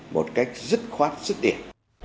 một cách rất khoát rất điện